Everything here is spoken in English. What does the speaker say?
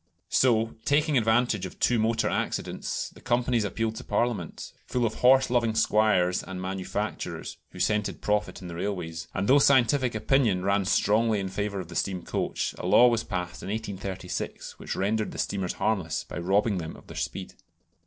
So, taking advantage of two motor accidents, the companies appealed to Parliament full of horse loving squires and manufacturers, who scented profit in the railways and though scientific opinion ran strongly in favour of the steam coach, a law was passed in 1836 which rendered the steamers harmless by robbing them of their speed.